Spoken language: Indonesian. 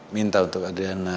minta untuk adriana